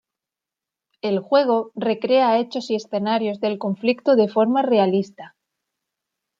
El juego recrea hechos y escenarios del conflicto de forma realista.